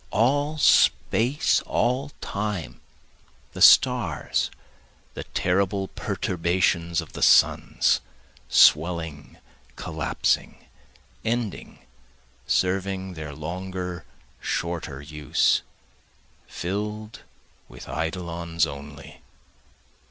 All space, all time, (The stars, the terrible perturbations of the suns, Swelling, collapsing, ending, serving their longer, shorter use,) Fill'd with eidolons only.